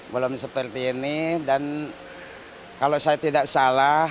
belum seperti ini dan kalau saya tidak salah